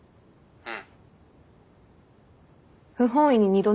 うん。